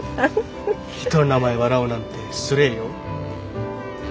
人の名前を笑うなんて失礼よ。